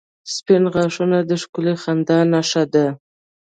• سپین غاښونه د ښکلي خندا نښه ده.